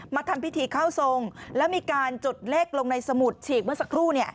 ทำพิธีเข้าทรงแล้วมีการจดเลขลงในสมุดฉีกเมื่อสักครู่